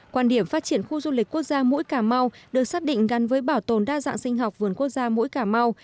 quan điểm phát triển khu du lịch quốc gia mũi cà mau được xác định gắn với bảo tồn đa dạng sinh học vườn quốc gia mũi cà mau